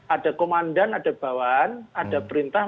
ada komandan ada bawaan ada perintah